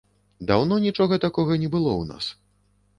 Даўно нічога такога не было ў нас.